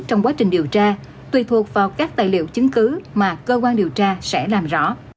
trong quá trình điều tra tùy thuộc vào các tài liệu chứng cứ mà cơ quan điều tra sẽ làm rõ